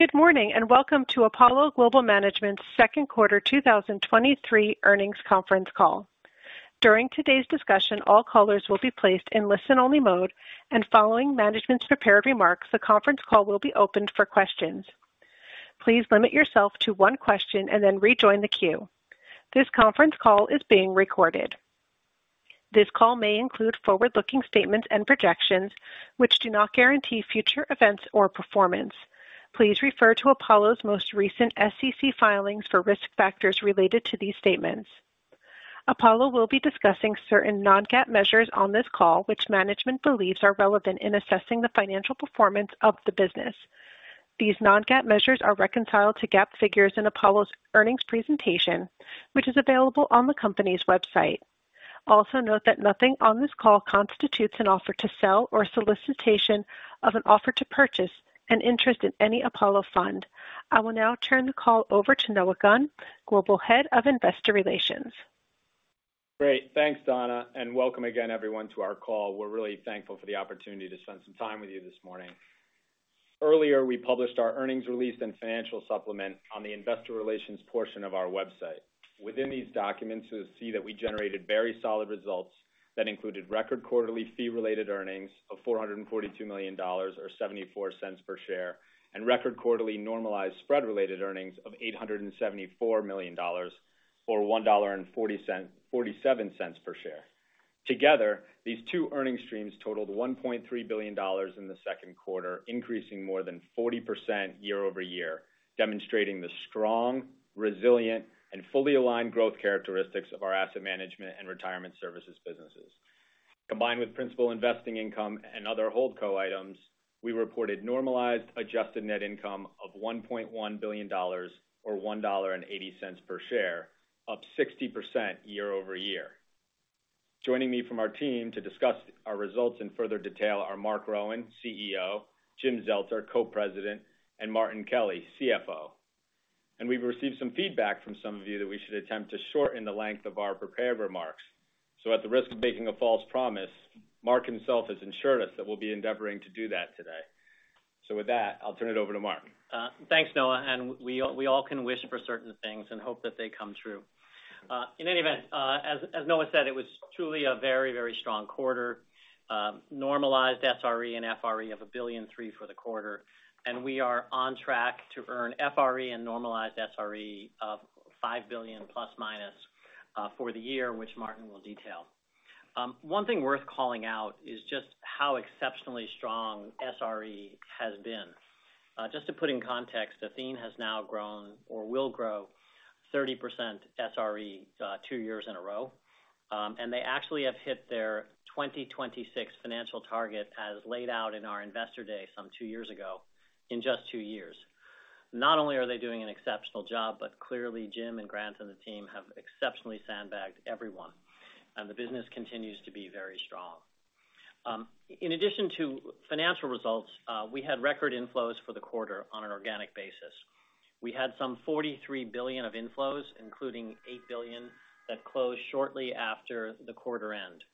Good morning. Welcome to Apollo Global Management's second quarter 2023 earnings conference call. During today's discussion, all callers will be placed in listen-only mode, and following management's prepared remarks, the conference call will be opened for questions. Please limit yourself to one question and then rejoin the queue. This conference call is being recorded. This call may include forward-looking statements and projections, which do not guarantee future events or performance. Please refer to Apollo's most recent SEC filings for risk factors related to these statements. Apollo will be discussing certain non-GAAP measures on this call, which management believes are relevant in assessing the financial performance of the business. These non-GAAP measures are reconciled to GAAP figures in Apollo's earnings presentation, which is available on the company's website. Note that nothing on this call constitutes an offer to sell or solicitation of an offer to purchase an interest in any Apollo fund. I will now turn the call over to Noah Gunn, Global Head of Investor Relations. Great. Thanks, Donna. Welcome again, everyone, to our call. We're really thankful for the opportunity to spend some time with you this morning. Earlier, we published our earnings release and financial supplement on the investor relations portion of our website. Within these documents, you'll see that we generated very solid results that included record quarterly fee-related earnings of $442 million, or $0.74 per share, and record quarterly normalized spread-related earnings of $874 million, or $1.47 per share. Together, these two earning streams totaled $1.3 billion in the second quarter, increasing more than 40% year-over-year, demonstrating the strong, resilient, and fully aligned growth characteristics of our asset management and retirement services businesses. Combined with principal investing income and other HoldCo items, we reported normalized adjusted net income of $1.1 billion, or $1.80 per share, up 60% year-over-year. Joining me from our team to discuss our results in further detail are Marc Rowan, CEO, Jim Zelter, Co-President, and Martin Kelly, CFO. We've received some feedback from some of you that we should attempt to shorten the length of our prepared remarks. At the risk of making a false promise, Marc himself has ensured us that we'll be endeavoring to do that today. With that, I'll turn it over to Marc. Thanks, Noah, and we all, we all can wish for certain things and hope that they come true. In any event, as, as Noah said, it was truly a very, very strong quarter, normalized SRE and FRE of $1.3 billion for the quarter, and we are on track to earn FRE and normalized SRE of $5 billion plus minus for the year, which Martin will detail. One thing worth calling out is just how exceptionally strong SRE has been. Just to put in context, Athene has now grown or will grow 30% SRE, two years in a row. They actually have hit their 2026 financial target as laid out in our Investor Day some two years ago in just two years. Not only are they doing an exceptional job, but clearly Jim and Grant and the team have exceptionally sandbagged everyone, and the business continues to be very strong. In addition to financial results, we had record inflows for the quarter on an organic basis. We had some $43 billion of inflows, including $8 billion, that closed shortly after the quarter end.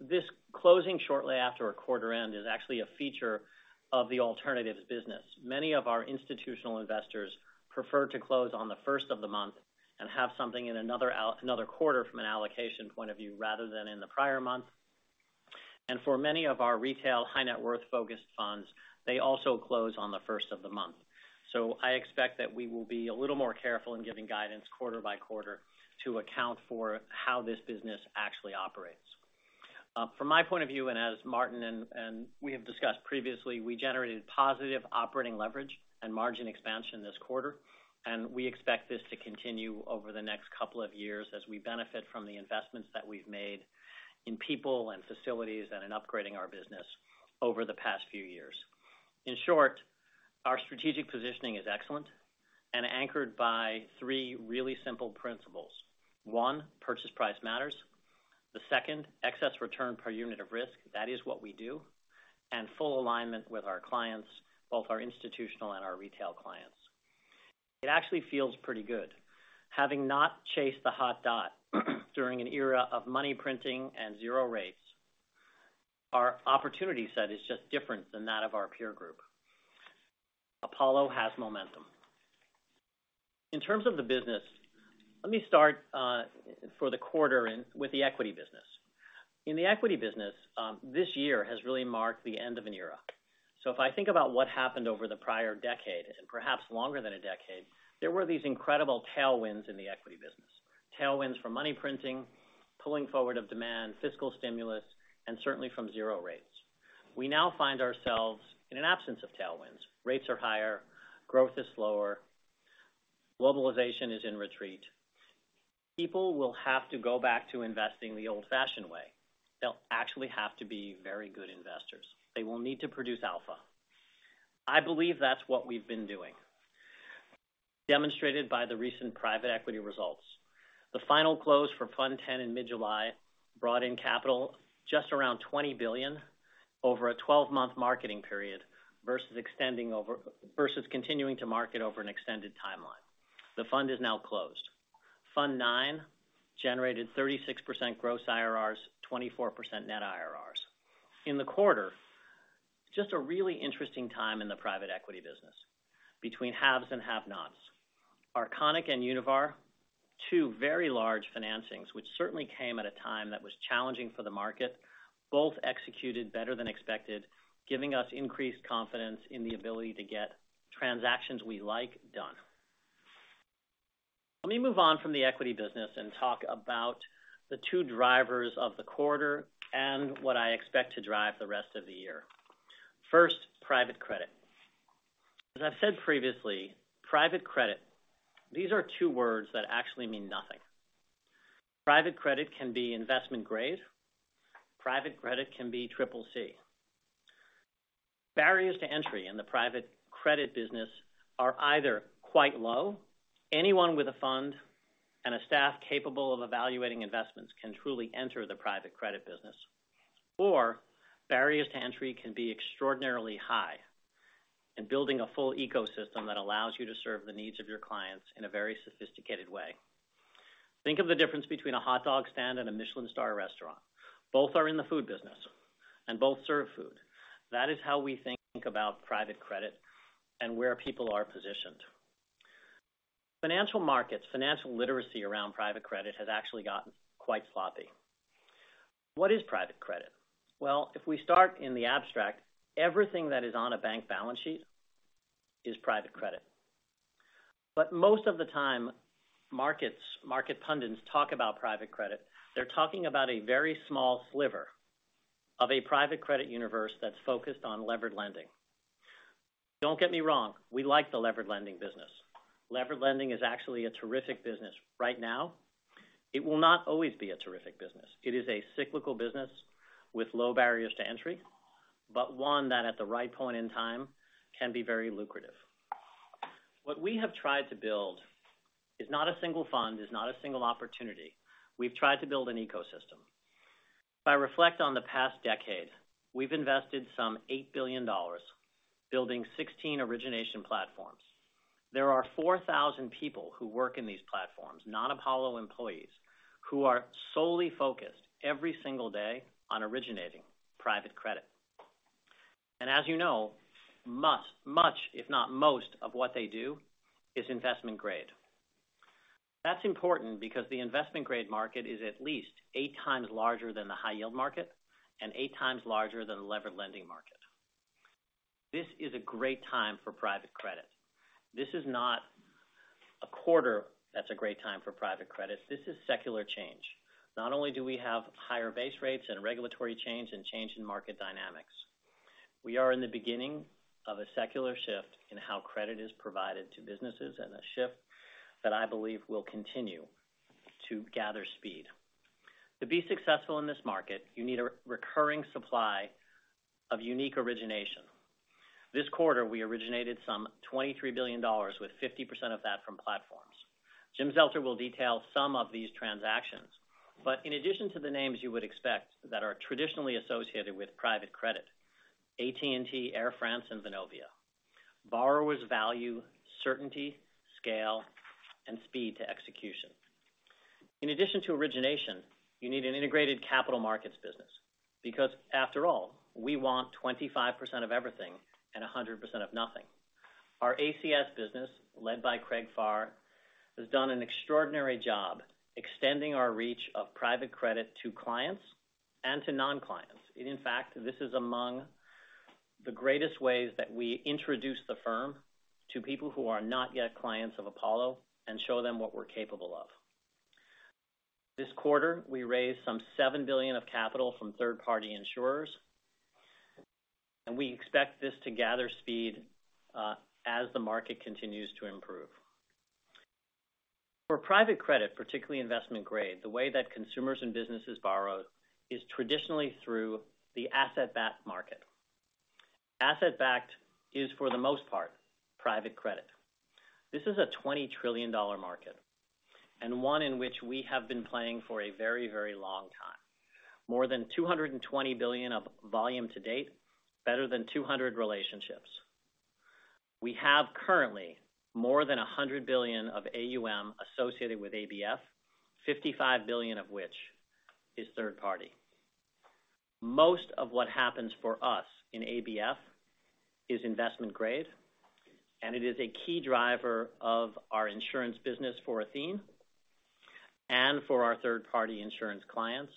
This closing shortly after a quarter end is actually a feature of the alternatives business. Many of our institutional investors prefer to close on the first of the month and have something in another another quarter from an allocation point of view, rather than in the prior month. For many of our retail high net worth-focused funds, they also close on the first of the month. I expect that we will be a little more careful in giving guidance quarter by quarter to account for how this business actually operates. From my point of view, and as Martin and we have discussed previously, we generated positive operating leverage and margin expansion this quarter, and we expect this to continue over the next couple of years as we benefit from the investments that we've made in people and facilities and in upgrading our business over the past few years. In short, our strategic positioning is excellent and anchored by three really simple principles. One, purchase price matters. The second, excess return per unit of risk, that is what we do, and full alignment with our clients, both our institutional and our retail clients. It actually feels pretty good. Having not chased the hot dot during an era of money printing and zero rates, our opportunity set is just different than that of our peer group. Apollo has momentum. In terms of the business, let me start for the quarter with the equity business. In the equity business, this year has really marked the end of an era. If I think about what happened over the prior decade, and perhaps longer than a decade, there were these incredible tailwinds in the equity business. Tailwinds from money printing, pulling forward of demand, fiscal stimulus, and certainly from zero rates. We now find ourselves in an absence of tailwinds. Rates are higher, growth is slower, globalization is in retreat. People will have to go back to investing the old-fashioned way. They'll actually have to be very good investors. They will need to produce alpha. I believe that's what we've been doing, demonstrated by the recent private equity results. The final close for Apollo Investment Fund X in mid-July brought in capital just around $20 billion over a 12-month marketing period versus continuing to market over an extended timeline. The fund is now closed. Apollo Investment Fund IX generated 36% gross IRRs, 24% net IRRs. In the quarter, just a really interesting time in the private equity business between haves and have-nots. Arconic and Univar, two very large financings, which certainly came at a time that was challenging for the market, both executed better than expected, giving us increased confidence in the ability to get transactions we like done. Let me move on from the equity business and talk about the two drivers of the quarter and what I expect to drive the rest of the year. First, private credit. As I've said previously, private credit, these are two words that actually mean nothing. Private credit can be investment grade. Private credit can be CCC. Barriers to entry in the private credit business are either quite low. Anyone with a fund and a staff capable of evaluating investments can truly enter the private credit business, or barriers to entry can be extraordinarily high, and building a full ecosystem that allows you to serve the needs of your clients in a very sophisticated way. Think of the difference between a hot dog stand and a Michelin star restaurant. Both are in the food business, both serve food. That is how we think about private credit and where people are positioned. Financial markets, financial literacy around private credit has actually gotten quite sloppy. What is private credit? If we start in the abstract, everything that is on a bank balance sheet is private credit. Most of the time, markets, market pundits talk about private credit. They're talking about a very small sliver of a private credit universe that's focused on levered lending. Don't get me wrong, we like the levered lending business. Levered lending is actually a terrific business right now. It will not always be a terrific business. It is a cyclical business with low barriers to entry, but one that at the right point in time, can be very lucrative. What we have tried to build is not a single fund, is not a single opportunity. We've tried to build an ecosystem. If I reflect on the past decade, we've invested some $8 billion building 16 origination platforms. There are 4,000 people who work in these platforms, non-Apollo employees, who are solely focused every single day on originating private credit. And as you know, much, if not most, of what they do is investment grade. That's important because the investment grade market is at least eight times larger than the high yield market, and eight times larger than the levered lending market. This is a great time for private credit. This is not a quarter that's a great time for private credit. This is secular change. Not only do we have higher base rates and regulatory change and change in market dynamics, we are in the beginning of a secular shift in how credit is provided to businesses, and a shift that I believe will continue to gather speed. To be successful in this market, you need a recurring supply of unique origination. This quarter, we originated some $23 billion, with 50% of that from platforms. Jim Zelter will detail some of these transactions, but in addition to the names you would expect that are traditionally associated with private credit, AT&T, Air France, and Vonovia. Borrowers value, certainty, scale, and speed to execution. In addition to origination, you need an integrated capital markets business, because after all, we want 25% of everything and 100% of nothing. Our ACS business, led by Craig Farr, has done an extraordinary job extending our reach of private credit to clients and to non-clients. In fact, this is among the greatest ways that we introduce the firm to people who are not yet clients of Apollo and show them what we're capable of. This quarter, we raised some $7 billion of capital from third-party insurers. We expect this to gather speed, as the market continues to improve. For private credit, particularly investment grade, the way that consumers and businesses borrow is traditionally through the asset-backed market. Asset-backed is, for the most part, private credit. This is a $20 trillion market. One in which we have been playing for a very, very long time. More than $220 billion of volume to date, better than 200 relationships. We have currently more than $100 billion of AUM associated with ABF, $55 billion of which is third party. Most of what happens for us in ABF is investment grade. It is a key driver of our insurance business for Athene and for our third-party insurance clients.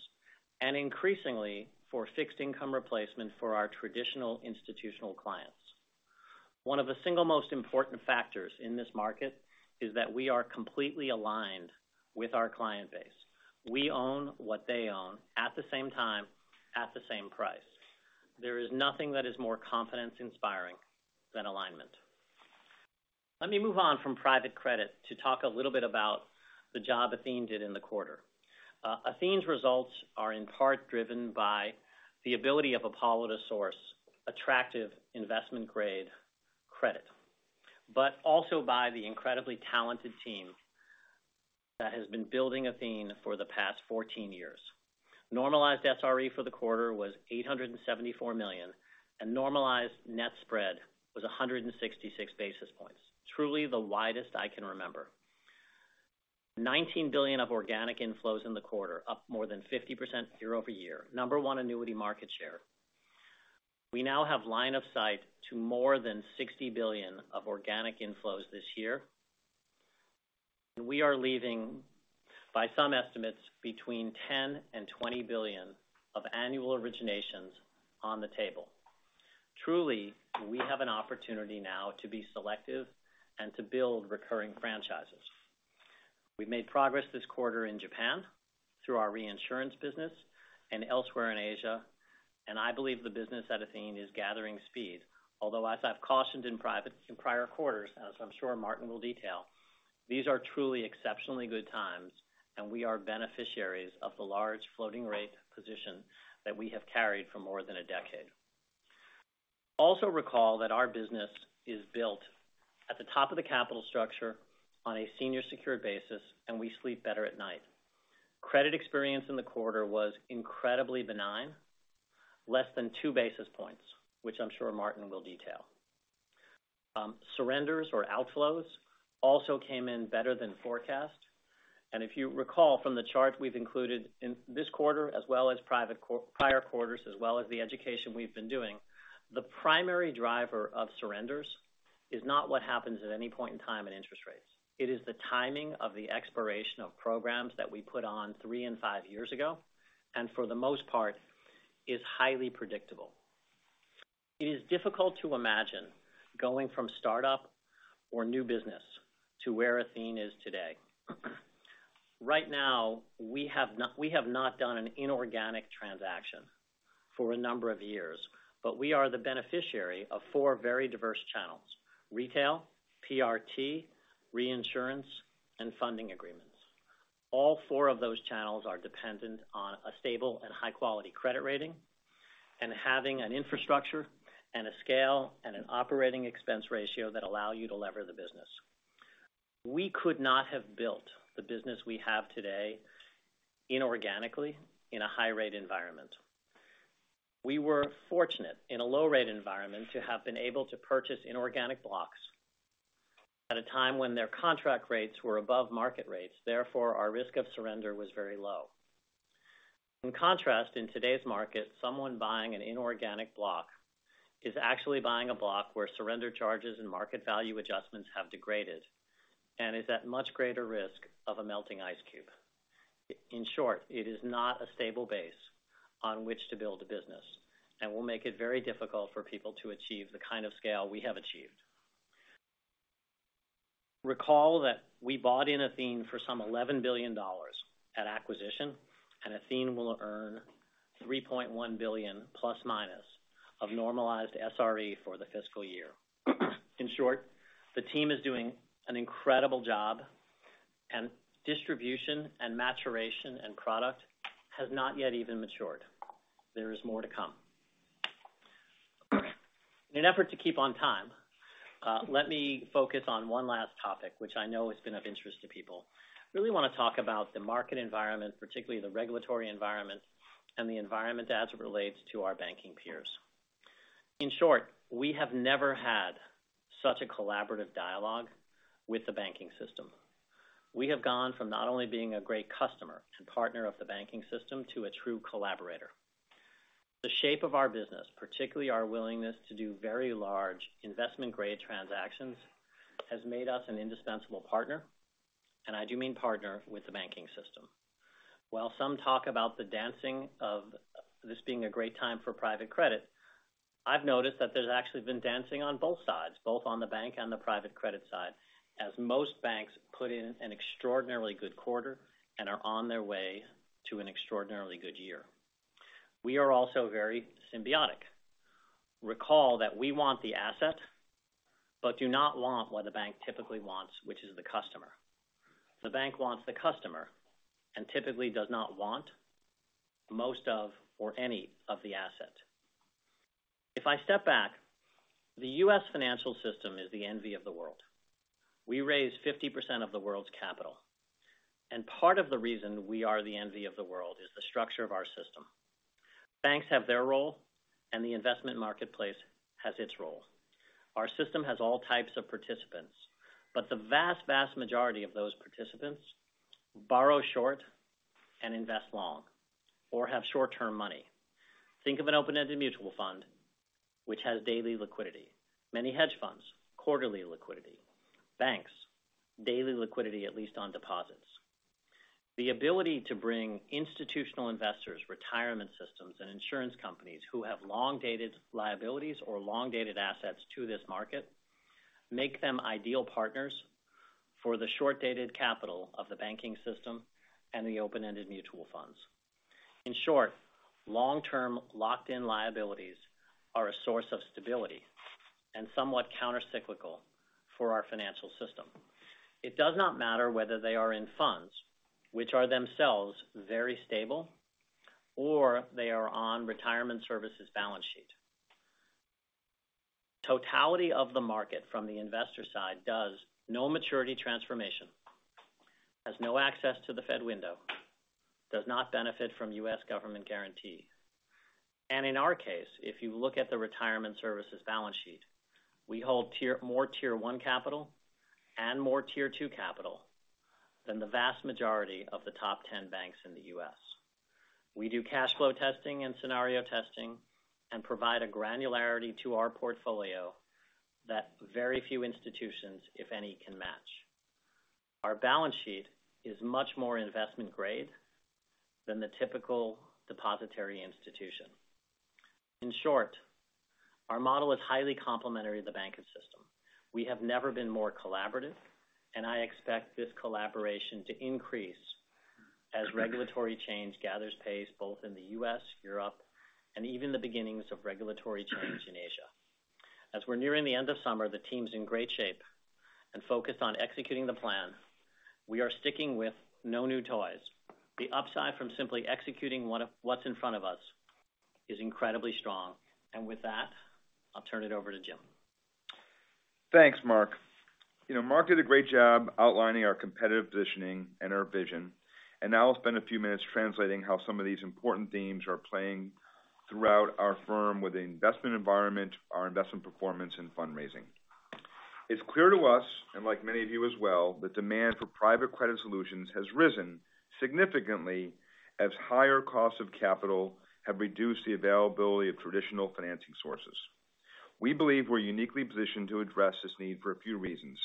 Increasingly for fixed income replacement for our traditional institutional clients. One of the single most important factors in this market is that we are completely aligned with our client base. We own what they own at the same time, at the same price. There is nothing that is more confidence-inspiring than alignment. Let me move on from private credit to talk a little bit about the job Athene did in the quarter. Athene's results are in part driven by the ability of Apollo to source attractive investment grade credit, but also by the incredibly talented team that has been building Athene for the past 14 years. Normalized SRE for the quarter was $874 million, and normalized net spread was 166 basis points. Truly the widest I can remember.... $19 billion of organic inflows in the quarter, up more than 50% year-over-year. Number one, annuity market share. We now have line of sight to more than $60 billion of organic inflows this year. We are leaving, by some estimates, between $10 billion-$20 billion of annual originations on the table. Truly, we have an opportunity now to be selective and to build recurring franchises. We've made progress this quarter in Japan through our reinsurance business and elsewhere in Asia, and I believe the business at Athene is gathering speed. Although, as I've cautioned in prior quarters, as I'm sure Martin will detail, these are truly exceptionally good times, and we are beneficiaries of the large floating rate position that we have carried for more than a decade. Also recall that our business is built at the top of the capital structure on a senior secured basis, and we sleep better at night. Credit experience in the quarter was incredibly benign, less than two basis points, which I'm sure Martin Kelly will detail. Surrenders or outflows also came in better than forecast. If you recall from the chart we've included in this quarter, as well as private prior quarters, as well as the education we've been doing, the primary driver of surrenders is not what happens at any point in time in interest rates. It is the timing of the expiration of programs that we put on three and five years ago, and for the most part, is highly predictable. It is difficult to imagine going from startup or new business to where Athene is today. Right now, we have not, we have not done an inorganic transaction for a number of years, but we are the beneficiary of four very diverse channels: retail, PRT, reinsurance, and funding agreements. All four of those channels are dependent on a stable and high-quality credit rating, and having an infrastructure, and a scale, and an operating expense ratio that allow you to lever the business. We could not have built the business we have today inorganically, in a high-rate environment. We were fortunate in a low-rate environment to have been able to purchase inorganic blocks at a time when their contract rates were above market rates, therefore, our risk of surrender was very low. In contrast, in today's market, someone buying an inorganic block is actually buying a block where surrender charges and market value adjustments have degraded, and is at much greater risk of a melting ice cube. In short, it is not a stable base on which to build a business, and will make it very difficult for people to achieve the kind of scale we have achieved. Recall that we bought in Athene for some $11 billion at acquisition. Athene will earn $3.1 billion ± of normalized SRE for the fiscal year. In short, the team is doing an incredible job, and distribution, and maturation, and product has not yet even matured. There is more to come. In an effort to keep on time, let me focus on one last topic, which I know has been of interest to people. I really want to talk about the market environment, particularly the regulatory environment and the environment as it relates to our banking peers. In short, we have never had such a collaborative dialogue with the banking system. We have gone from not only being a great customer to partner of the banking system, to a true collaborator. The shape of our business, particularly our willingness to do very large investment-grade transactions, has made us an indispensable partner, and I do mean partner with the banking system. While some talk about the dancing of this being a great time for private credit, I've noticed that there's actually been dancing on both sides, both on the bank and the private credit side, as most banks put in an extraordinarily good quarter and are on their way to an extraordinarily good year. We are also very symbiotic. Recall that we want the asset, but do not want what the bank typically wants, which is the customer. The bank wants the customer and typically does not want most of or any of the asset. If I step back, the U.S. financial system is the envy of the world. We raise 50% of the world's capital, and part of the reason we are the envy of the world is the structure of our system. Banks have their role, and the investment marketplace has its role. Our system has all types of participants, but the vast, vast majority of those participants borrow short and invest long or have short-term money. Think of an open-ended mutual fund, which has daily liquidity. Many hedge funds, quarterly liquidity. Banks, daily liquidity, at least on deposits. The ability to bring institutional investors, retirement systems, and insurance companies who have long-dated liabilities or long-dated assets to this market, make them ideal partners for the short-dated capital of the banking system and the open-ended mutual funds. In short, long-term, locked-in liabilities are a source of stability and somewhat countercyclical for our financial system. It does not matter whether they are in funds, which are themselves very stable, or they are on retirement services balance sheet. Totality of the market, from the investor side, does no maturity transformation, has no access to the Fed window, does not benefit from U.S. government guarantee.... In our case, if you look at the retirement services balance sheet, we hold more Tier one capital and more Tier two capital than the vast majority of the top 10 banks in the U.S. We do cash flow testing and scenario testing, and provide a granularity to our portfolio that very few institutions, if any, can match. Our balance sheet is much more investment grade than the typical depository institution. In short, our model is highly complementary to the banking system. We have never been more collaborative, I expect this collaboration to increase as regulatory change gathers pace, both in the US, Europe, and even the beginnings of regulatory change in Asia. As we're nearing the end of summer, the team's in great shape and focused on executing the plan. We are sticking with no new toys. The upside from simply executing one of what's in front of us is incredibly strong. With that, I'll turn it over to Jim. Thanks, Marc. You know, Marc did a great job outlining our competitive positioning and our vision, and now I'll spend a few minutes translating how some of these important themes are playing throughout our firm with the investment environment, our investment performance, and fundraising. It's clear to us, and like many of you as well, the demand for private credit solutions has risen significantly as higher costs of capital have reduced the availability of traditional financing sources. We believe we're uniquely positioned to address this need for a few reasons: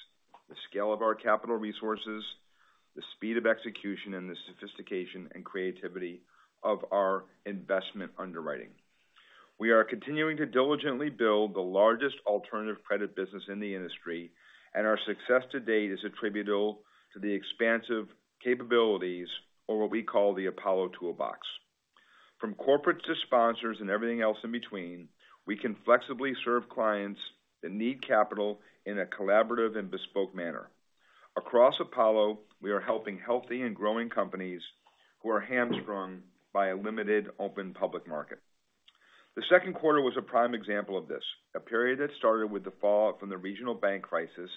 the scale of our capital resources, the speed of execution, and the sophistication and creativity of our investment underwriting. We are continuing to diligently build the largest alternative credit business in the industry, and our success to date is attributable to the expansive capabilities or what we call the Apollo Toolbox. From corporates to sponsors and everything else in between, we can flexibly serve clients that need capital in a collaborative and bespoke manner. Across Apollo, we are helping healthy and growing companies who are hamstrung by a limited open public market. The second quarter was a prime example of this, a period that started with the fallout from the regional bank crisis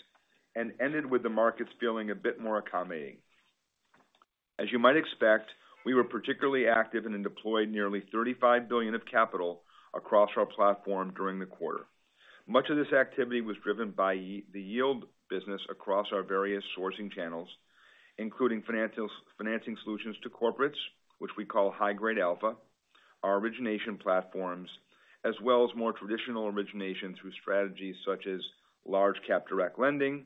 and ended with the markets feeling a bit more accommodating. As you might expect, we were particularly active and then deployed nearly $35 billion of capital across our platform during the quarter. Much of this activity was driven by the yield business across our various sourcing channels, including financing solutions to corporates, which we call High-Grade Alpha, our origination platforms, as well as more traditional origination through strategies such as large cap direct lending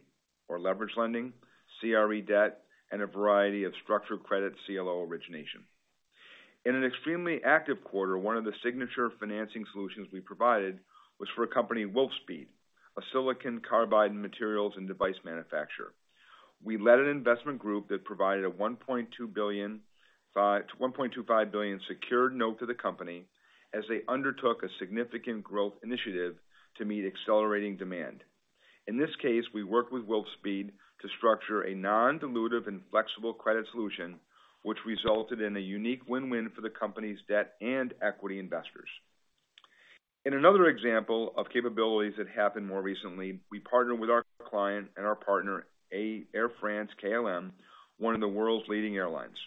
or leverage lending, CRE debt, and a variety of structured credit CLO origination. In an extremely active quarter, one of the signature financing solutions we provided was for a company, Wolfspeed, a silicon carbide materials and device manufacturer. We led an investment group that provided a $1.2 billion-$1.25 billion secured note to the company as they undertook a significant growth initiative to meet accelerating demand. In this case, we worked with Wolfspeed to structure a non-dilutive and flexible credit solution, which resulted in a unique win-win for the company's debt and equity investors. In another example of capabilities that happened more recently, we partnered with our client and our partner, Air France-KLM, one of the world's leading airlines.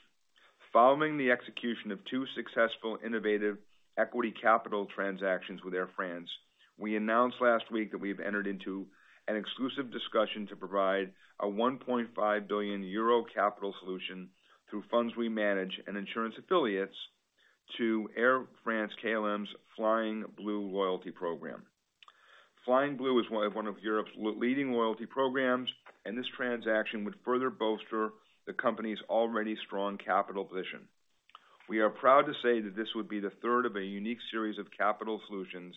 Following the execution of two successful, innovative equity capital transactions with Air France, we announced last week that we have entered into an exclusive discussion to provide a 1.5 billion euro capital solution through funds we manage and insurance affiliates to Air France-KLM's Flying Blue loyalty program. Flying Blue is one of Europe's leading loyalty programs, and this transaction would further bolster the company's already strong capital position. We are proud to say that this would be the third of a unique series of capital solutions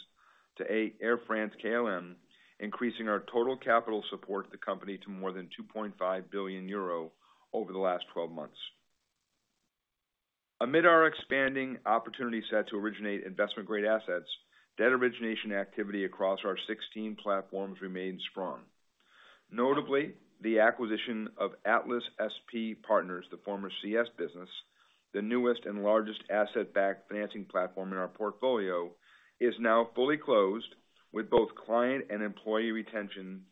to Air France-KLM, increasing our total capital support to the company to more than 2.5 billion euro over the last 12 months. Amid our expanding opportunity set to originate investment-grade assets, debt origination activity across our 16 platforms remains strong. Notably, the acquisition of Atlas SP Partners, the former CS business, the newest and largest asset-backed financing platform in our portfolio, is now fully closed, with both client and employee retention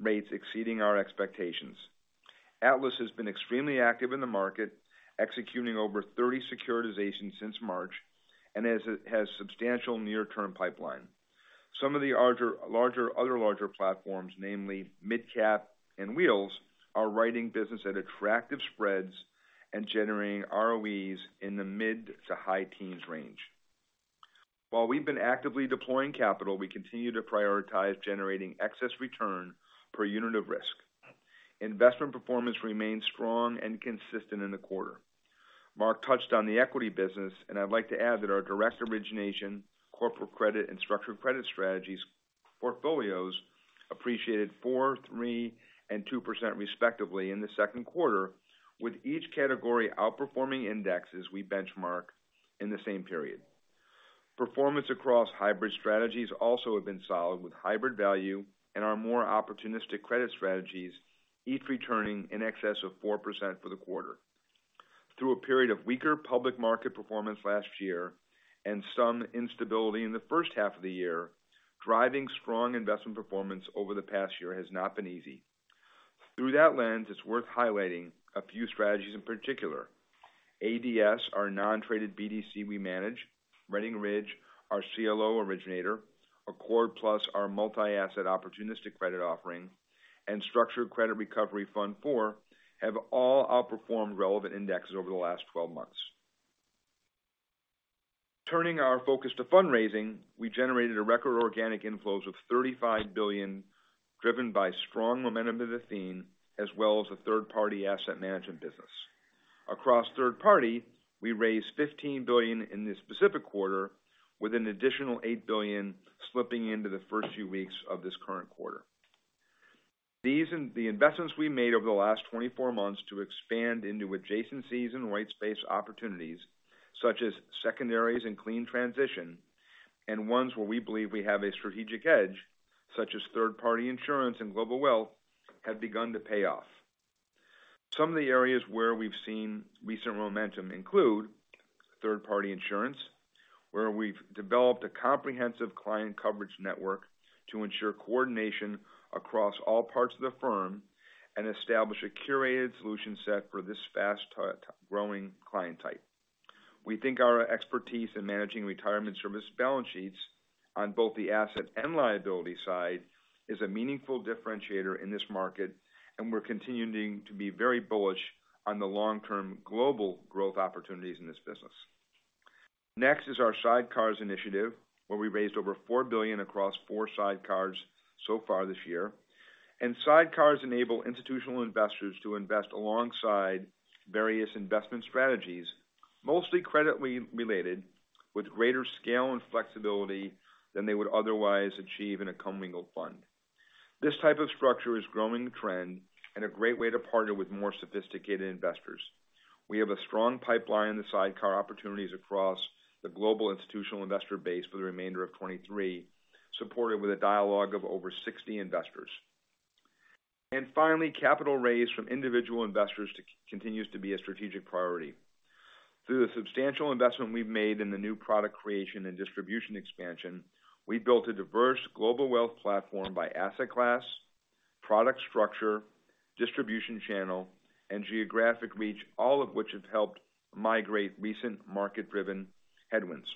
rates exceeding our expectations. Atlas has been extremely active in the market, executing over 30 securitizations since March, and as it has substantial near-term pipeline. Some of the larger, other larger platforms, namely MidCap and Wheels, are writing business at attractive spreads and generating ROEs in the mid to high teens range. While we've been actively deploying capital, we continue to prioritize generating excess return per unit of risk. Investment performance remains strong and consistent in the quarter. Marc touched on the equity business, and I'd like to add that our direct origination, corporate credit, and structured credit strategies portfolios appreciated 4%, 3%, and 2% respectively in the second quarter, with each category outperforming indexes we benchmark in the same period. Performance across hybrid strategies also have been solid, with hybrid value and our more opportunistic credit strategies, each returning in excess of 4% for the quarter. Through a period of weaker public market performance last year and some instability in the first half of the year, driving strong investment performance over the past year has not been easy. Through that lens, it's worth highlighting a few strategies. In particular, ADS, our non-traded BDC we manage, Redding Ridge, our CLO originator, Apollo Accord+, our multi-asset opportunistic credit offering, and Structured Credit Recovery Fund IV, have all outperformed relevant indexes over the last 12 months. Turning our focus to fundraising, we generated a record organic inflows of $35 billion, driven by strong momentum to Athene, as well as the third-party asset management business. Across third party, we raised $15 billion in this specific quarter, with an additional $8 billion slipping into the first few weeks of this current quarter. These and the investments we made over the last 24 months to expand into adjacencies and white space opportunities, such as secondaries and clean transition, and ones where we believe we have a strategic edge, such as third-party insurance and global wealth, have begun to pay off. Some of the areas where we've seen recent momentum include third-party insurance, where we've developed a comprehensive client coverage network to ensure coordination across all parts of the firm and establish a curated solution set for this fast growing client type. We think our expertise in managing retirement service balance sheets on both the asset and liability side, is a meaningful differentiator in this market, and we're continuing to be very bullish on the long-term global growth opportunities in this business. Next is our sidecars initiative, where we raised over $4 billion across four sidecars so far this year. Sidecars enable institutional investors to invest alongside various investment strategies, mostly credit-related, with greater scale and flexibility than they would otherwise achieve in a commingled fund. This type of structure is growing the trend and a great way to partner with more sophisticated investors. We have a strong pipeline in the sidecar opportunities across the global institutional investor base for the remainder of 2023, supported with a dialogue of over 60 investors. Finally, capital raised from individual investors continues to be a strategic priority. Through the substantial investment we've made in the new product creation and distribution expansion, we've built a diverse global wealth platform by asset class, product structure, distribution channel, and geographic reach, all of which have helped migrate recent market-driven headwinds.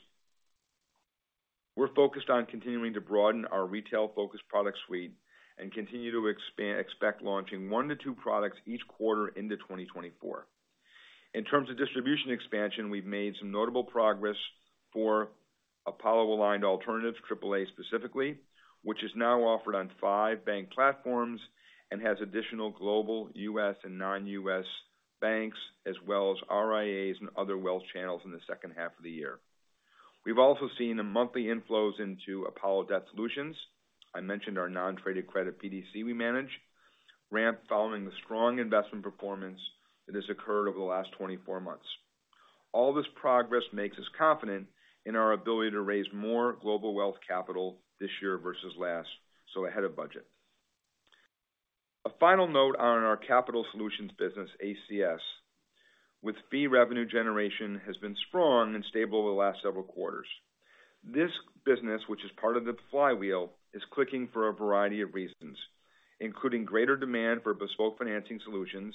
We're focused on continuing to broaden our retail-focused product suite and continue to expect launching one to two products each quarter into 2024. In terms of distribution expansion, we've made some notable progress for Apollo Aligned Alternatives, AAA specifically, which is now offered on five bank platforms and has additional global US and non-US banks, as well as RIAs and other wealth channels in the second half of the year. We've also seen the monthly inflows into Apollo Debt Solutions. I mentioned our non-traded credit BDC we manage, ramp following the strong investment performance that has occurred over the last 24 months. All this progress makes us confident in our ability to raise more global wealth capital this year versus last, so ahead of budget. A final note on our capital solutions business, ACS, with fee revenue generation, has been strong and stable over the last several quarters. This business, which is part of the flywheel, is clicking for a variety of reasons, including greater demand for bespoke financing solutions,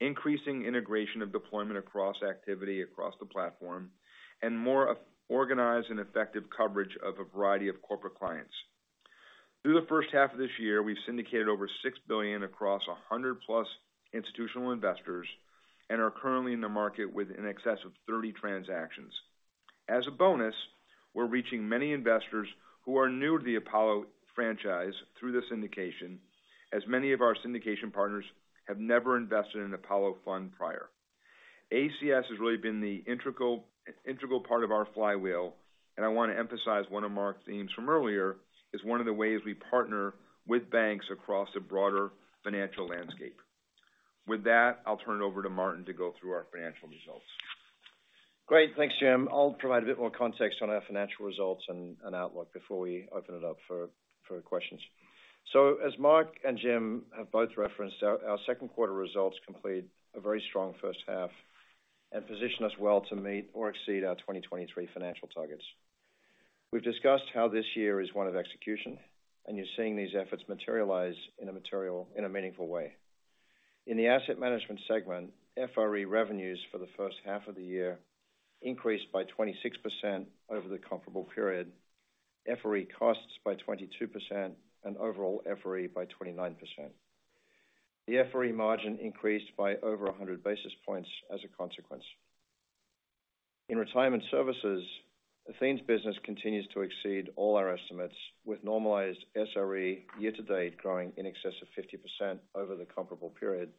increasing integration of deployment across activity across the platform, and more of organized and effective coverage of a variety of corporate clients. Through the first half of this year, we've syndicated over $6 billion across 100+ institutional investors and are currently in the market with in excess of 30 transactions. As a bonus, we're reaching many investors who are new to the Apollo franchise through the syndication, as many of our syndication partners have never invested in Apollo fund prior. ACS has really been the integral part of our flywheel, and I want to emphasize one of Marc's themes from earlier, is one of the ways we partner with banks across a broader financial landscape. With that, I'll turn it over to Martin to go through our financial results. Great. Thanks, Jim. I'll provide a bit more context on our financial results and outlook before we open it up for questions. As Marc and Jim have both referenced, our second quarter results complete a very strong first half and position us well to meet or exceed our 2023 financial targets. We've discussed how this year is one of execution, and you're seeing these efforts materialize in a meaningful way. In the asset management segment, FRE revenues for the first half of the year increased by 26% over the comparable period, FRE costs by 22%, and overall FRE by 29%. The FRE margin increased by over 100 basis points as a consequence. In retirement services, Athene's business continues to exceed all our estimates, with normalized SRE year to date growing in excess of 50% over the comparable period,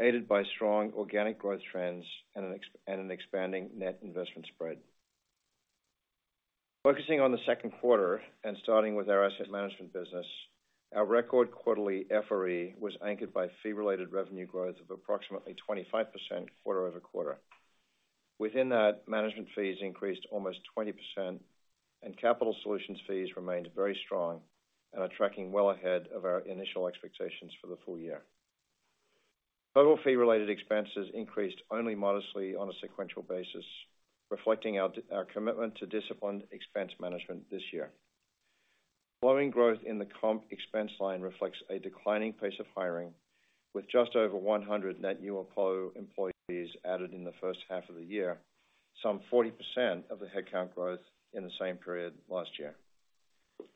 aided by strong organic growth trends and an expanding net investment spread. Focusing on the second quarter and starting with our asset management business, our record quarterly FRE was anchored by fee-related revenue growth of approximately 25% quarter-over-quarter. Within that, management fees increased almost 20%. Capital solutions fees remained very strong and are tracking well ahead of our initial expectations for the full year. Total fee-related expenses increased only modestly on a sequential basis, reflecting our commitment to disciplined expense management this year. Growing growth in the comp expense line reflects a declining pace of hiring, with just over 100 net new employees added in the first half of the year, some 40% of the headcount growth in the same period last year.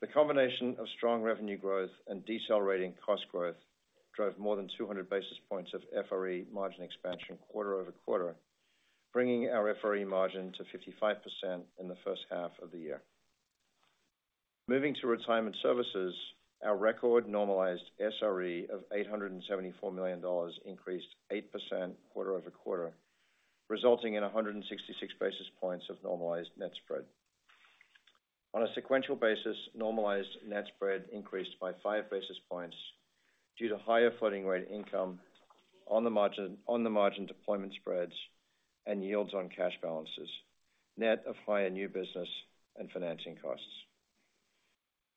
The combination of strong revenue growth and decelerating cost growth drove more than 200 basis points of FRE margin expansion quarter-over-quarter, bringing our FRE margin to 55% in the first half of the year. Moving to retirement services, our record normalized SRE of $874 million increased 8% quarter-over-quarter, resulting in 166 basis points of normalized net spread. On a sequential basis, normalized net spread increased by five basis points due to higher floating rate income on the margin, on the margin deployment spreads, and yields on cash balances, net of higher new business and financing costs.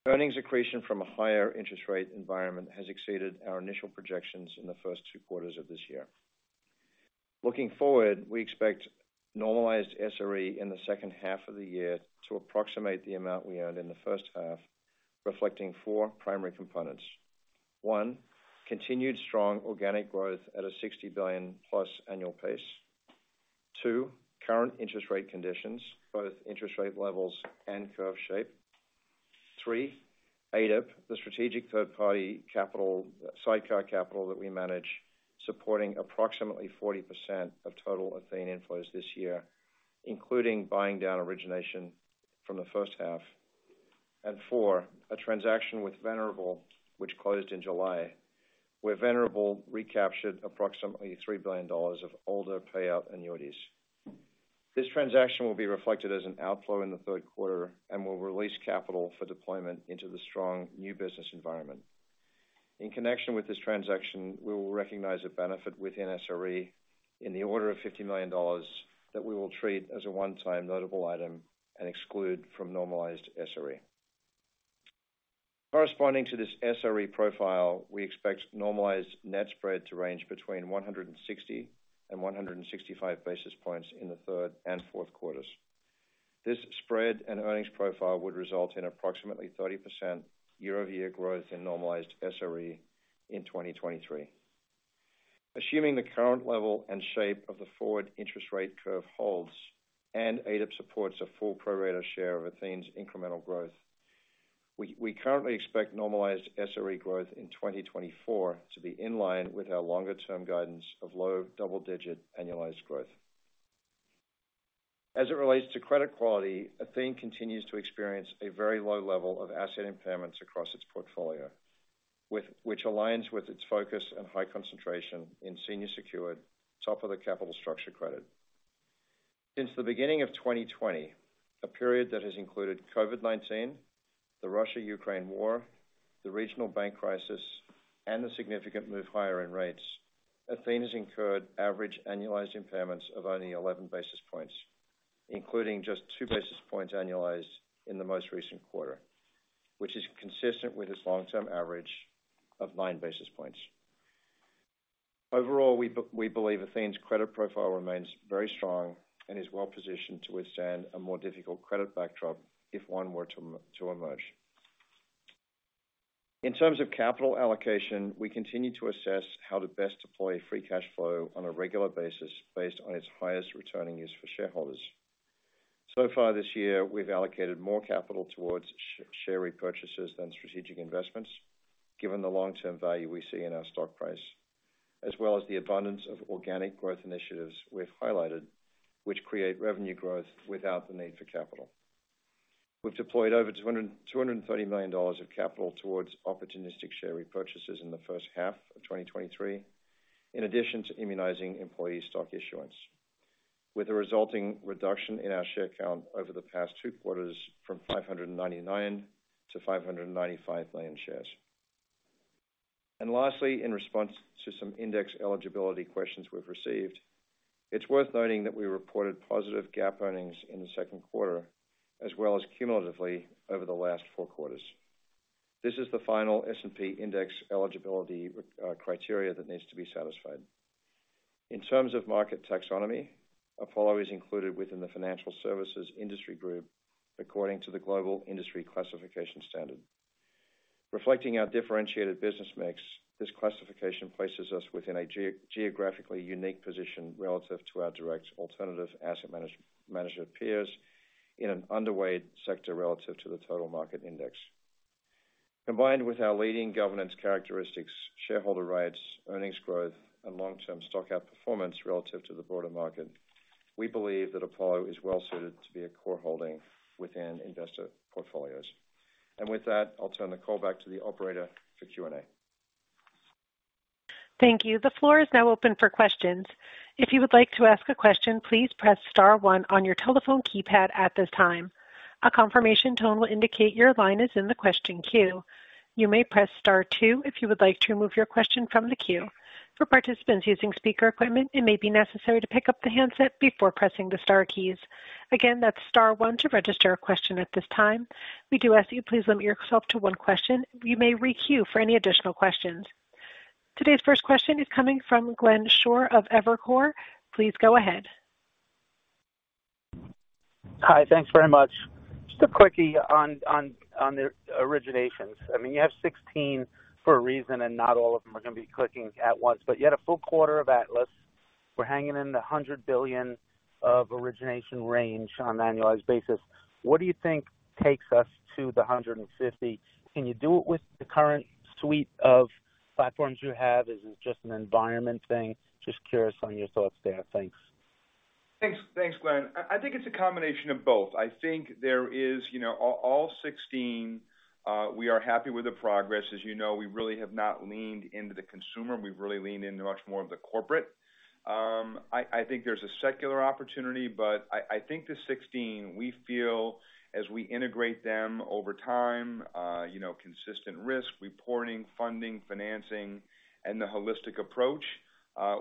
Earnings accretion from a higher interest rate environment has exceeded our initial projections in the first two quarters of this year. Looking forward, we expect normalized SRE in the second half of the year to approximate the amount we earned in the first half, reflecting four primary components. 1, continued strong organic growth at a $60 billion+ annual pace. Two, current interest rate conditions, both interest rate levels and curve shape. Three, ADIP, the strategic third-party capital, sidecar capital that we manage, supporting approximately 40% of total Athene inflows this year, including buying down origination from the first half. Four, a transaction with Venerable, which closed in July, where Venerable recaptured approximately $3 billion of older payout annuities. This transaction will be reflected as an outflow in the third quarter and will release capital for deployment into the strong new business environment. In connection with this transaction, we will recognize a benefit within SRE in the order of $50 million that we will treat as a one-time notable item and exclude from normalized SRE. Corresponding to this SRE profile, we expect normalized net spread to range between 160 and 165 basis points in the third and fourth quarters. This spread and earnings profile would result in approximately 30% year-over-year growth in normalized SRE in 2023. Assuming the current level and shape of the forward interest rate curve holds and ADIP supports a full pro rata share of Athene's incremental growth, we currently expect normalized SRE growth in 2024 to be in line with our longer-term guidance of low double-digit annualized growth. As it relates to credit quality, Athene continues to experience a very low level of asset impairments across its portfolio, which aligns with its focus and high concentration in senior secured, top of the capital structure credit. Since the beginning of 2020, a period that has included COVID-19, the Russia-Ukraine war, the regional bank crisis, and a significant move higher in rates, Athene has incurred average annualized impairments of only 11 basis points, including just two basis points annualized in the most recent quarter, which is consistent with its long-term average of nine basis points. Overall, we believe Athene's credit profile remains very strong and is well positioned to withstand a more difficult credit backdrop if one were to emerge. In terms of capital allocation, we continue to assess how to best deploy free cash flow on a regular basis based on its highest returning use for shareholders. Far this year, we've allocated more capital towards share repurchases than strategic investments, given the long-term value we see in our stock price, as well as the abundance of organic growth initiatives we've highlighted, which create revenue growth without the need for capital. We've deployed over $230 million of capital towards opportunistic share repurchases in the first half of 2023, in addition to immunizing employee stock issuance, with a resulting reduction in our share count over the past two quarters from 599 million to 595 million shares. Lastly, in response to some index eligibility questions we've received, it's worth noting that we reported positive GAAP earnings in the second quarter, as well as cumulatively over the last four quarters. This is the final S&P index eligibility criteria that needs to be satisfied. In terms of market taxonomy, Apollo is included within the financial services industry group, according to the Global Industry Classification Standard. Reflecting our differentiated business mix, this classification places us within a geographically unique position relative to our direct alternative asset management peers in an underweight sector relative to the total market index. Combined with our leading governance characteristics, shareholder rights, earnings growth, and long-term stock outperformance relative to the broader market, we believe that Apollo is well suited to be a core holding within investor portfolios. With that, I'll turn the call back to the operator for Q&A. Thank you. The floor is now open for questions. If you would like to ask a question, please press star one on your telephone keypad at this time. A confirmation tone will indicate your line is in the question queue. You may press star two if you would like to remove your question from the queue. For participants using speaker equipment, it may be necessary to pick up the handset before pressing the star keys. Again, that's star one to register a question at this time. We do ask you please limit yourself to one question. You may re-queue for any additional questions. Today's first question is coming from Glenn Schorr of Evercore. Please go ahead. Hi, thanks very much. Just a quickie on, on, on the originations. I mean, you have 16 for a reason, and not all of them are going to be clicking at once, but you had a full quarter of Atlas. We're hanging in the $100 billion of origination range on an annualized basis. What do you think takes us to the $150 billion? Can you do it with the current suite of platforms you have? Is it just an environment thing? Just curious on your thoughts there. Thanks. Thanks. Thanks, Glenn Schorr. I, I think it's a combination of both. I think there is, you know, all, all 16, we are happy with the progress. As you know, we really have not leaned into the consumer. We've really leaned into much more of the corporate. I, I think there's a secular opportunity, but I, I think the 16 we feel as we integrate them over time, you know, consistent risk, reporting, funding, financing, and the holistic approach,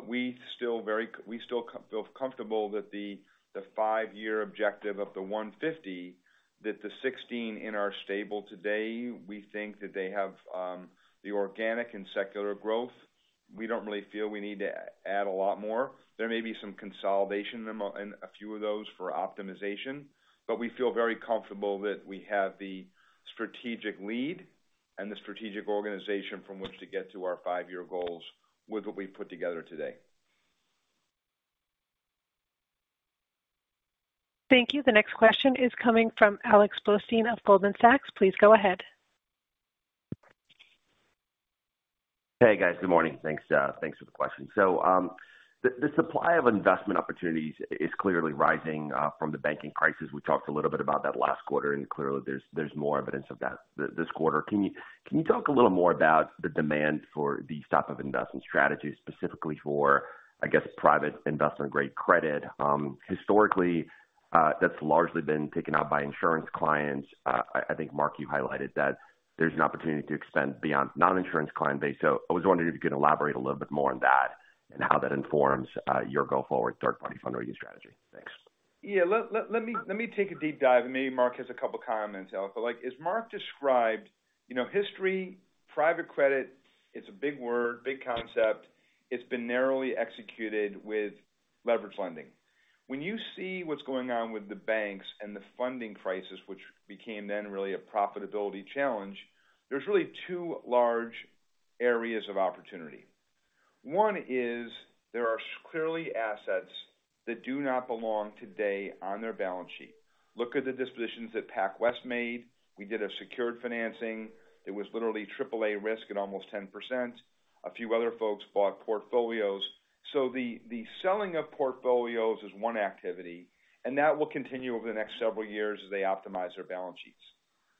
we still very we still feel comfortable that the, the five-year objective of the 150, that the 16 in our stable today, we think that they have the organic and secular growth. We don't really feel we need to add a lot more. There may be some consolidation in them, in a few of those for optimization, but we feel very comfortable that we have the strategic lead and the strategic organization from which to get to our five-year goals with what we've put together today. Thank you. The next question is coming from Alexander Blostein of Goldman Sachs. Please go ahead. Hey, guys. Good morning. Thanks, thanks for the question. The, the supply of investment opportunities is clearly rising from the banking crisis. We talked a little bit about that last quarter, and clearly there's, there's more evidence of that this quarter. Can you, can you talk a little more about the demand for these type of investment strategies, specifically for, I guess, private investment-grade credit? Historically, that's largely been taken out by insurance clients. I, I think, Marc, you highlighted that there's an opportunity to extend beyond non-insurance client base. I was wondering if you could elaborate a little bit more on that and how that informs your go-forward third-party fundraising strategy. Thanks. Yeah, let me take a deep dive, maybe Marc has a couple of comments, Alex. Like, as Marc described, you know, history, private credit, it's a big word, big concept. It's been narrowly executed with leverage lending. When you see what's going on with the banks and the funding crisis, which became then really a profitability challenge, there's really two large areas of opportunity. One is there are clearly assets that do not belong today on their balance sheet. Look at the dispositions that PacWest made. We did a secured financing. It was literally AAA risk at almost 10%. A few other folks bought portfolios. The selling of portfolios is one activity, that will continue over the next several years as they optimize their balance sheets.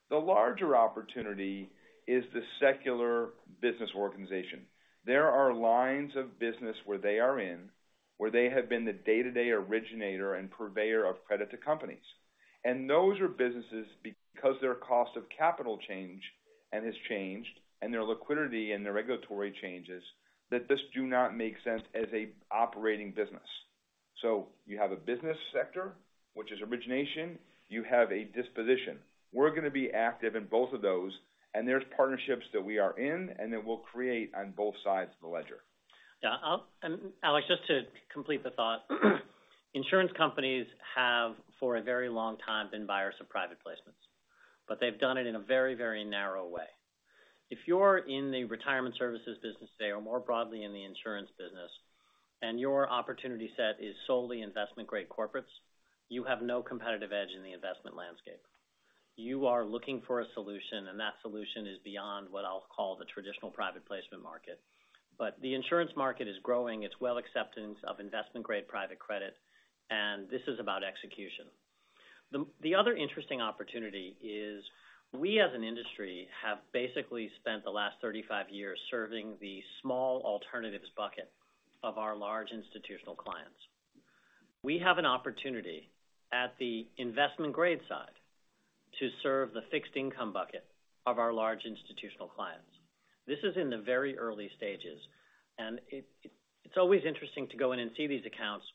The larger opportunity is the secular business organization. There are lines of business where they are in, where they have been the day-to-day originator and purveyor of credit to companies. Those are businesses, because their cost of capital change and has changed, and their liquidity and their regulatory changes, that this do not make sense as a operating business. You have a business sector, which is origination. You have a disposition. We're going to be active in both of those, and there's partnerships that we are in and that we'll create on both sides of the ledger. Yeah, I'll, Alex, just to complete the thought, insurance companies have, for a very long time, been buyers of private placements, but they've done it in a very, very narrow way. If you're in the retirement services business today, or more broadly in the insurance business, and your opportunity set is solely investment-grade corporates, you have no competitive edge in the investment landscape. You are looking for a solution, and that solution is beyond what I'll call the traditional private placement market. The insurance market is growing. It's well acceptance of investment-grade private credit, and this is about execution. The other interesting opportunity is we as an industry, have basically spent the last 35 years serving the small alternatives bucket of our large institutional clients. We have an opportunity at the investment grade side to serve the fixed income bucket of our large institutional clients. This is in the very early stages, and it, it, it's always interesting to go in and see these accounts.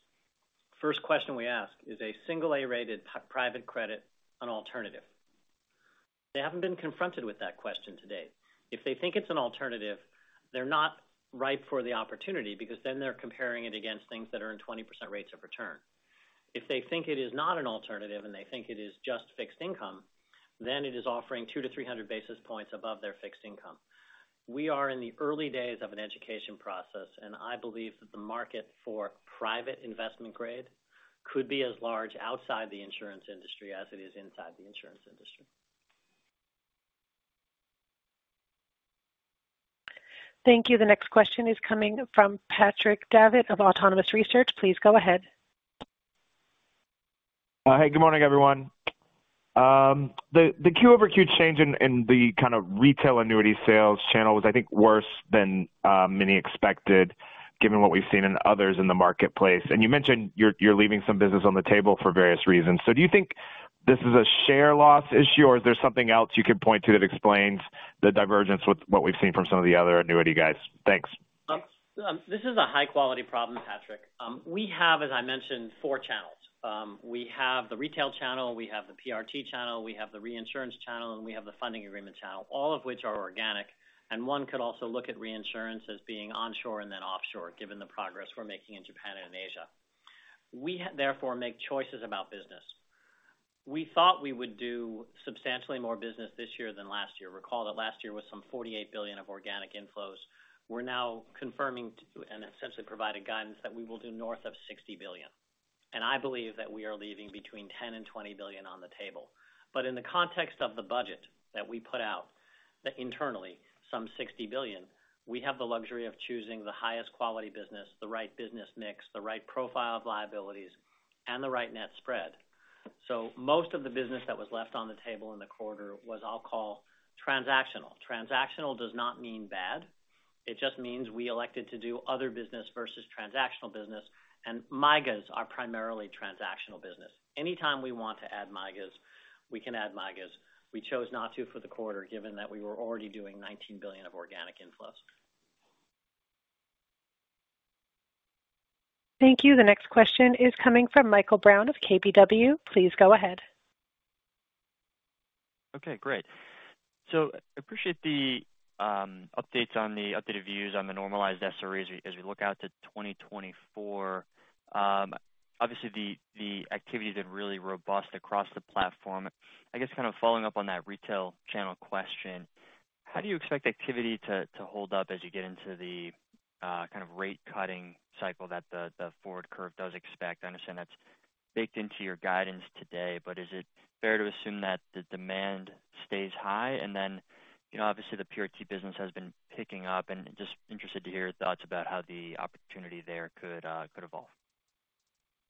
First question we ask, "Is a single A-rated private credit an alternative?" They haven't been confronted with that question to date. If they think it's an alternative, they're not ripe for the opportunity because then they're comparing it against things that are in 20% rates of return. If they think it is not an alternative, and they think it is just fixed income, then it is offering 200-300 basis points above their fixed income. We are in the early days of an education process, and I believe that the market for private investment grade could be as large outside the insurance industry as it is inside the insurance industry. Thank you. The next question is coming from Patrick Davitt of Autonomous Research. Please go ahead. Hey, good morning, everyone. The Q-over-Q change in the kind of retail annuity sales channel was, I think, worse than many expected, given what we've seen in others in the marketplace. You mentioned you're leaving some business on the table for various reasons. Do you think this is a share loss issue, or is there something else you could point to that explains the divergence with what we've seen from some of the other annuity guys? Thanks. This is a high-quality problem, Patrick. We have, as I mentioned, four channels. We have the retail channel, we have the PRT channel, we have the reinsurance channel, and we have the funding agreement channel, all of which are organic. One could also look at reinsurance as being onshore and then offshore, given the progress we're making in Japan and Asia. We therefore, make choices about business. We thought we would do substantially more business this year than last year. Recall that last year was some $48 billion of organic inflows. We're now confirming to, and essentially providing guidance that we will do north of $60 billion. I believe that we are leaving between $10 billion and $20 billion on the table. In the context of the budget that we put out, that internally, some $60 billion, we have the luxury of choosing the highest quality business, the right business mix, the right profile of liabilities, and the right net spread. Most of the business that was left on the table in the quarter was, I'll call, transactional. Transactional does not mean bad. It just means we elected to do other business versus transactional business, and MYGAs are primarily transactional business. Anytime we want to add MYGAs, we can add MYGAs. We chose not to for the quarter, given that we were already doing $19 billion of organic inflows. Thank you. The next question is coming from Michael Brown of KBW. Please go ahead. Great. So I appreciate the updates on the updated views on the normalized SRE as we look out to 2024. Obviously, the activity has been really robust across the platform. I guess, kind of following up on that retail channel question, how do you expect activity to hold up as you get into the kind of rate-cutting cycle that the forward curve does expect? I understand that's baked into your guidance today, but is it fair to assume that the demand stays high? You know, obviously, the PRT business has been picking up, and just interested to hear your thoughts about how the opportunity there could evolve.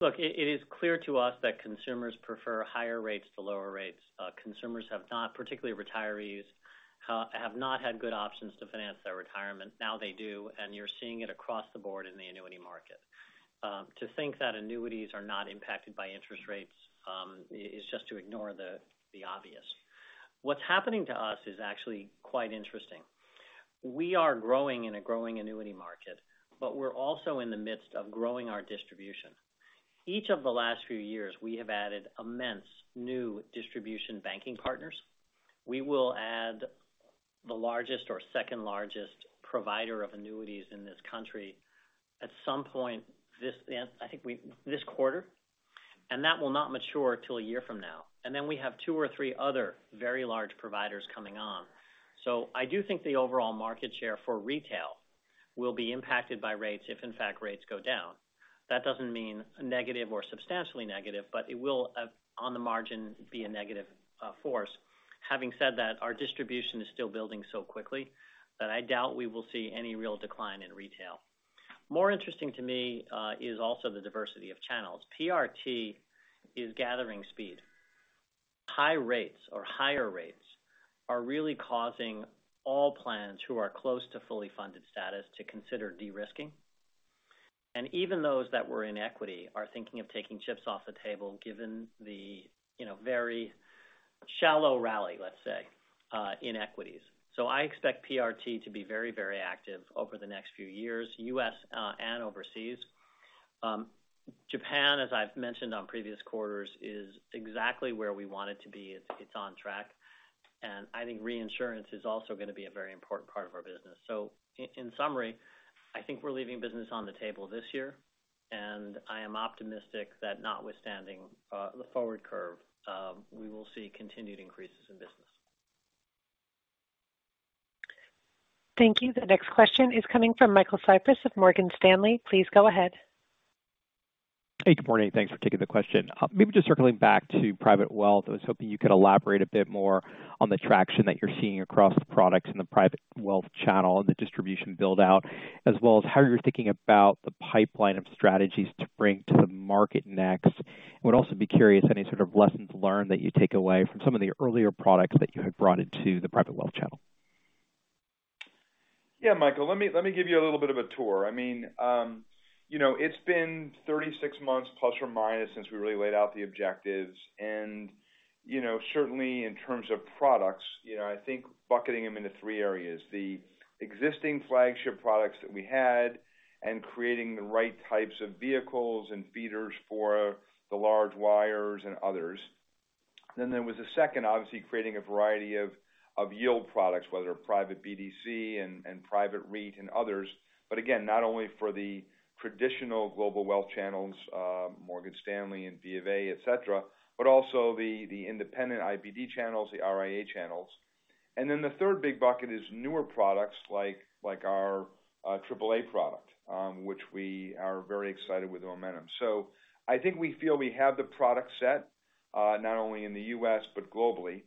Look, it, it is clear to us that consumers prefer higher rates to lower rates. Consumers have not, particularly retirees, have not had good options to finance their retirement. Now they do, you're seeing it across the board in the annuity market. To think that annuities are not impacted by interest rates, is just to ignore the, the obvious. What's happening to us is actually quite interesting. We are growing in a growing annuity market, we're also in the midst of growing our distribution. Each of the last few years, we have added immense new distribution banking partners. We will add the largest or second-largest provider of annuities in this country at some point, this quarter, that will not mature till one year from now. We have two or three other very large providers coming on. I do think the overall market share for retail will be impacted by rates if, in fact, rates go down. That doesn't mean negative or substantially negative, but it will, on the margin, be a negative force. Having said that, our distribution is still building so quickly, that I doubt we will see any real decline in retail. More interesting to me, is also the diversity of channels. PRT is gathering speed. High rates or higher rates are really causing all plans who are close to fully funded status to consider de-risking. Even those that were in equity are thinking of taking chips off the table, given the, you know, very shallow rally, let's say, in equities. I expect PRT to be very, very active over the next few years, US, and overseas. Japan, as I've mentioned on previous quarters, is exactly where we want it to be. It's, it's on track, and I think reinsurance is also going to be a very important part of our business. So in summary, I think we're leaving business on the table this year, and I am optimistic that notwithstanding, the forward curve, we will see continued increases in business. Thank you. The next question is coming from Michael Cyprys of Morgan Stanley. Please go ahead. Hey, good morning. Thanks for taking the question. Maybe just circling back to private wealth, I was hoping you could elaborate a bit more on the traction that you're seeing across the products in the private wealth channel and the distribution build-out, as well as how you're thinking about the pipeline of strategies to bring to the market next. I would also be curious, any sort of lessons learned that you take away from some of the earlier products that you had brought into the private wealth channel? Yeah, Michael, let me, let me give you a little bit of a tour. I mean, you know, it's been 36 months, ±, since we really laid out the objectives. You know, certainly in terms of products, you know, I think bucketing them into three areas. The existing flagship products that we had and creating the right types of vehicles and feeders for the large wires and others. There was a second, obviously, creating a variety of, of yield products, whether private BDC and, and private REIT and others. Again, not only for the traditional global wealth channels, Morgan Stanley and B of A, et cetera, but also the, the independent IBD channels, the RIA channels. Then the third big bucket is newer products like, like our AAA product, which we are very excited with the momentum. I think we feel we have the product set, not only in the US, but globally.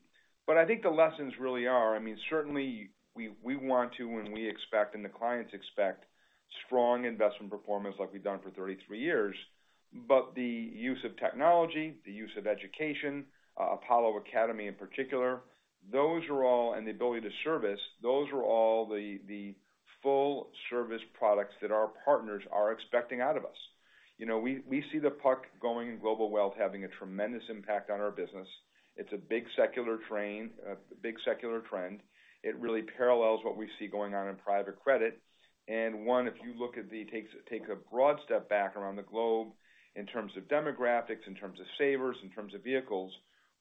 I think the lessons really are, I mean, certainly we, we want to, when we expect and the clients expect strong investment performance like we've done for 33 years. The use of technology, the use of education, Apollo Academy in particular, those are all, and the ability to service, those are all the, the full service products that our partners are expecting out of us. You know, we, we see the puck going in global wealth, having a tremendous impact on our business. It's a big secular train, big secular trend. It really parallels what we see going on in private credit. One, if you look at the, take a broad step back around the globe in terms of demographics, in terms of savers, in terms of vehicles,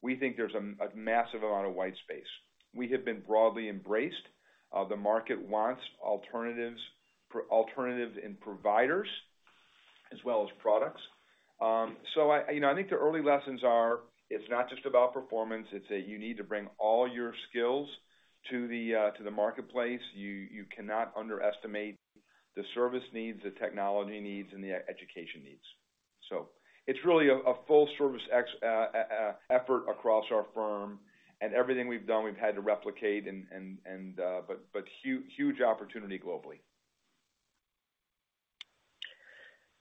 we think there's a massive amount of white space. We have been broadly embraced. The market wants alternatives alternatives and providers, as well as products. You know, I think the early lessons are, it's not just about performance, it's that you need to bring all your skills to the marketplace. You cannot underestimate the service needs, the technology needs, and the education needs. It's really a full service effort across our firm, and everything we've done, we've had to replicate huge, huge opportunity globally.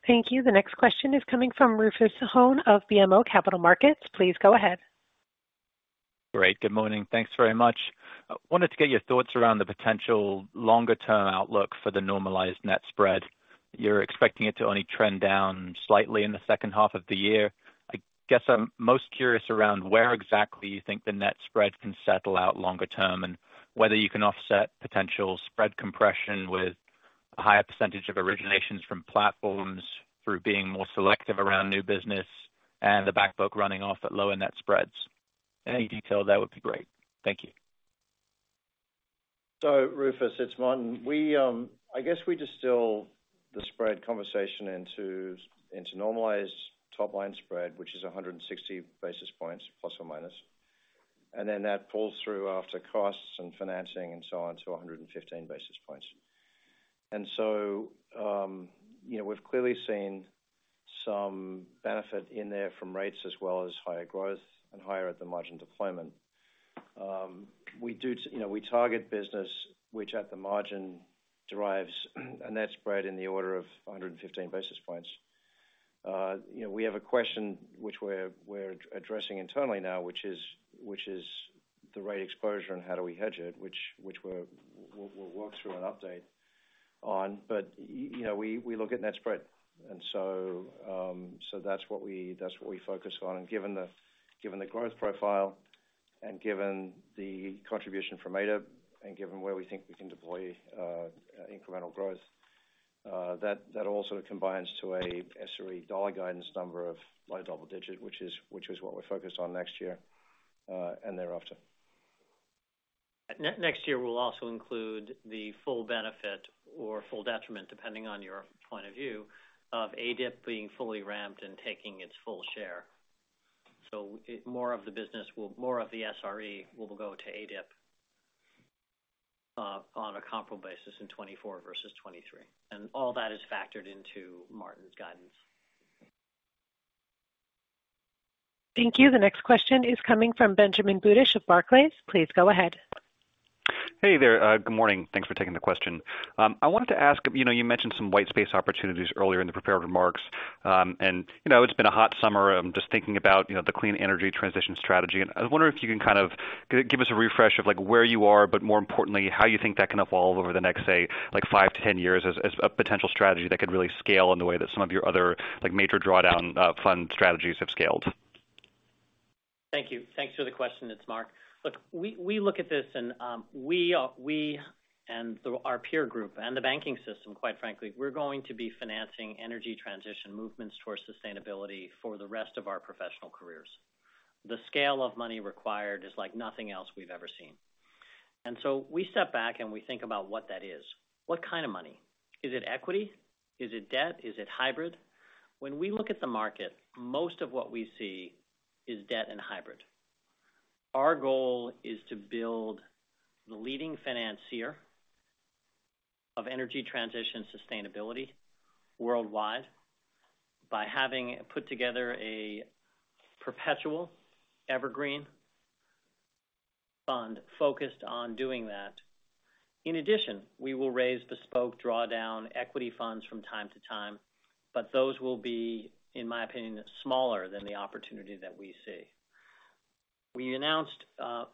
Thank you. The next question is coming from Rufus Hone of BMO Capital Markets. Please go ahead. Great. Good morning. Thanks very much. I wanted to get your thoughts around the potential longer-term outlook for the normalized net spread. You're expecting it to only trend down slightly in the second half of the year. I guess I'm most curious around where exactly you think the net spread can settle out longer term, and whether you can offset potential spread compression with a higher percentage of originations from platforms through being more selective around new business and the back book running off at lower net spreads. Any detail, that would be great. Thank you. Rufus, it's Martin. We, I guess we distill the spread conversation into, into normalized top line spread, which is 160 basis points, plus or minus, and then that pulls through after costs and financing and so on to 115 basis points. You know, we've clearly seen some benefit in there from rates as well as higher growth and higher at the margin deployment. We, you know, we target business, which at the margin derives a net spread in the order of 115 basis points. You know, we have a question which we're, we're addressing internally now, which is, which is the rate exposure and how do we hedge it, which, which we'll, we'll walk through an update on. You know, we, we look at net spread, and so, so that's what we, that's what we focus on. Given the, given the growth profile, and given the contribution from ADIP, and given where we think we can deploy incremental growth, that, that all sort of combines to a SRE dollar guidance number of low double digit, which is, which is what we're focused on next year, and thereafter. Next year will also include the full benefit or full detriment, depending on your point of view, of ADIP being fully ramped and taking its full share. More of the business more of the SRE will go to ADIP, on a comparable basis in 2024 versus 2023. All that is factored into Martin's guidance. Thank you. The next question is coming from Benjamin Budish of Barclays. Please go ahead. Hey there. Good morning. Thanks for taking the question. I wanted to ask, you know, you mentioned some white space opportunities earlier in the prepared remarks. You know, it's been a hot summer. I'm just thinking about, you know, the clean energy transition strategy. I was wondering if you can kind of give us a refresh of like, where you are, but more importantly, how you think that can evolve over the next, say, like five to 10 years as, as a potential strategy that could really scale in the way that some of your other, like, major drawdown fund strategies have scaled. Thank you. Thanks for the question. It's Marc. Look, we, we look at this and, we are, we and the, our peer group and the banking system, quite frankly, we're going to be financing energy transition movements towards sustainability for the rest of our professional careers. The scale of money required is like nothing else we've ever seen. So we step back, and we think about what that is. What kind of money? Is it equity? Is it debt? Is it hybrid? When we look at the market, most of what we see is debt and hybrid. Our goal is to build the leading financier of energy transition sustainability worldwide by having put together a perpetual evergreen fund focused on doing that. In addition, we will raise bespoke drawdown equity funds from time to time, but those will be, in my opinion, smaller than the opportunity that we see. We announced,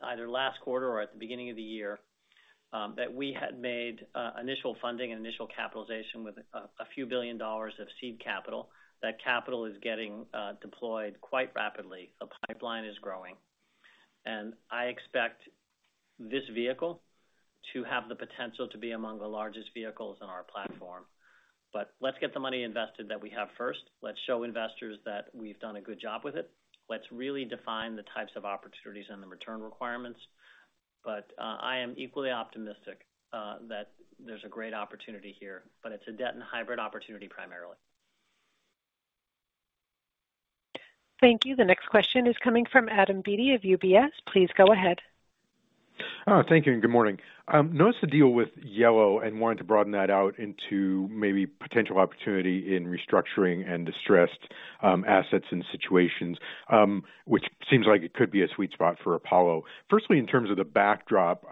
either last quarter or at the beginning of the year, that we had made initial funding and initial capitalization with a few billion dollars of seed capital. That capital is getting deployed quite rapidly. The pipeline is growing. I expect this vehicle to have the potential to be among the largest vehicles in our platform. Let's get the money invested that we have first. Let's show investors that we've done a good job with it. Let's really define the types of opportunities and the return requirements. I am equally optimistic, that there's a great opportunity here, but it's a debt and hybrid opportunity primarily. Thank you. The next question is coming from Adam Beatty of UBS. Please go ahead. Thank you, and good morning. Noticed the deal with Yellow Corporation and wanted to broaden that out into maybe potential opportunity in restructuring and distressed assets and situations, which seems like it could be a sweet spot for Apollo Global Management. Firstly, in terms of the backdrop,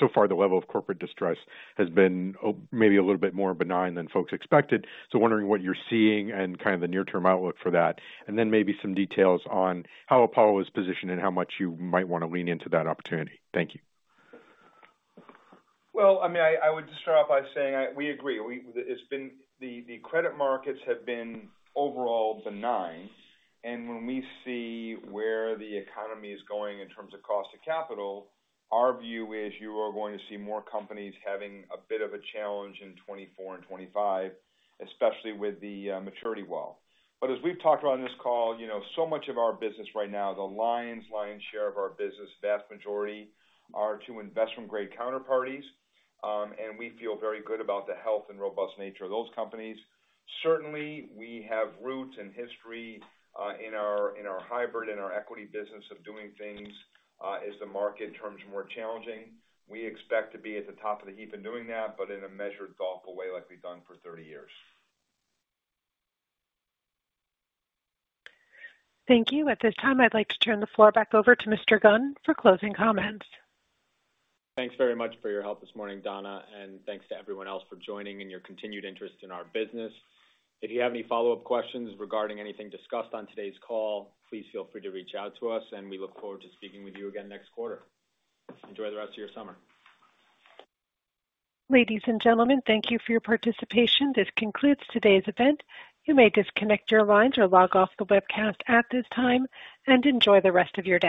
so far, the level of corporate distress has been maybe a little bit more benign than folks expected. Wondering what you're seeing and kind of the near-term outlook for that. Maybe some details on how Apollo Global Management is positioned and how much you might want to lean into that opportunity. Thank you. Well, I mean, I, I would just start off by saying I we agree. We. It's been. The, the credit markets have been overall benign, and when we see where the economy is going in terms of cost of capital, our view is you are going to see more companies having a bit of a challenge in 2024 and 2025, especially with the maturity wall. As we've talked about on this call, you know, so much of our business right now, the lion's, lion's share of our business, vast majority, are to investment-grade counterparties, and we feel very good about the health and robust nature of those companies. Certainly, we have roots and history, in our, in our hybrid and our equity business of doing things. As the market terms more challenging, we expect to be at the top of the heap in doing that, but in a measured, thoughtful way, like we've done for 30 years. Thank you. At this time, I'd like to turn the floor back over to Mr. Gunn for closing comments. Thanks very much for your help this morning, Donna, and thanks to everyone else for joining and your continued interest in our business. If you have any follow-up questions regarding anything discussed on today's call, please feel free to reach out to us, and we look forward to speaking with you again next quarter. Enjoy the rest of your summer. Ladies and gentlemen, thank you for your participation. This concludes today's event. You may disconnect your lines or log off the webcast at this time, and enjoy the rest of your day.